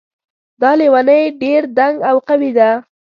دا لیونۍ ډېر دنګ او قوي ده